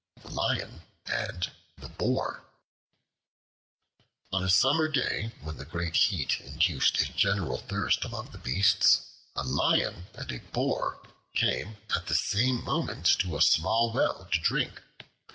The Lion and the Boar ON A SUMMER DAY, when the great heat induced a general thirst among the beasts, a Lion and a Boar came at the same moment to a small well to drink.